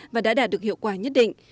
và đã đạt được hiệu quả nhất định